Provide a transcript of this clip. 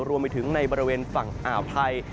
รวมไปถึงในบริเวณฝั่งอ่าวไทย